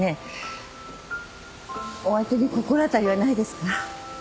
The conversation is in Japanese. お相手に心当たりはないですか？